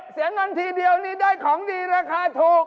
เสียเงินทีเดียวนี่ได้ของดีราคาถูก